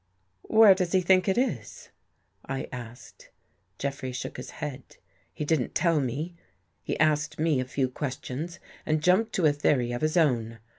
" Where does he think It Is? " I asked. Jeffrey shook his head. " He didn't tell me. He asked me a few questions and jumped to a theory of his own.